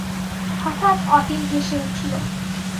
হঠাৎ অতীন হেসে উঠল।